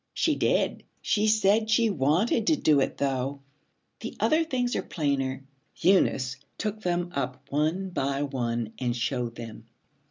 'She did. She said she wanted to do it, though. The other things are plainer.' Eunice took them up one by one and showed them.